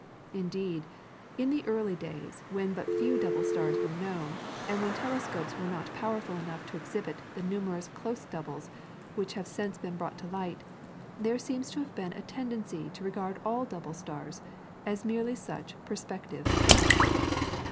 Indeed, in the early days when but few double stars were known, and when telescopes were not powerful enough to exhibit the numerous close doubles which have since been brought to light, there seems to have been a tendency to regard all double stars as merely such perspective effects.